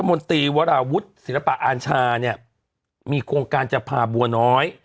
มนตรีวราวุฒิศิลปะอาชาเนี่ยมีโครงการจะพาบัวน้อย